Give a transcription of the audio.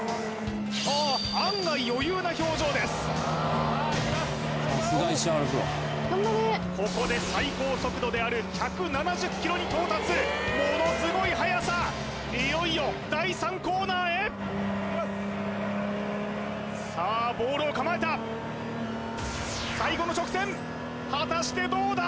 あー案外ここで最高速度である１７０キロに到達ものすごいはやさいよいよ第３コーナーへさあボールを構えた果たしてどうだ